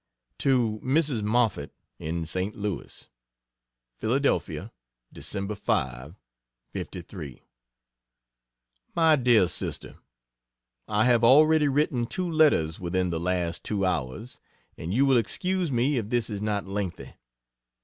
To Mrs. Moffett, in St. Louis: PHILADELPHIA, Dec. 5, '53. MY DEAR SISTER, I have already written two letters within the last two hours, and you will excuse me if this is not lengthy.